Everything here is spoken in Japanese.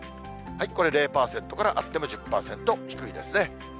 これ、０％から、あっても１０％、低いですね。